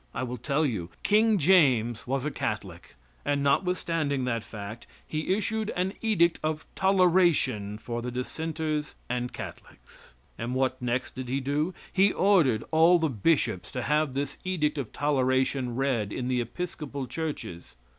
I will tell you. King James was a Catholic, and notwithstanding that fact, he issued an edict of toleration for the Dissenters and Catholics. And what next did he do? He ordered all the bishops to have this edict of toleration read in the Episcopal churches.